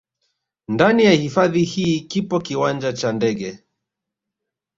Ndani ya hifadhi hii kipo kiwanja cha ndege